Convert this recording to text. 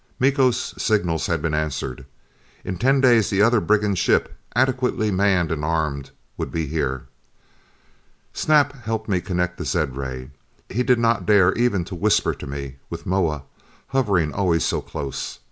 Miko's signals had been answered. In ten days the other brigand ship, adequately manned and armed, would be here. Snap helped me connect the zed ray. He did not dare even to whisper to me, with Moa hovering always so close.